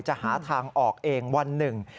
จะหาทางออกเองวันหนึ่ง